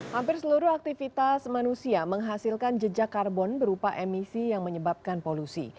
hampir seluruh aktivitas manusia menghasilkan jejak karbon berupa emisi yang menyebabkan polusi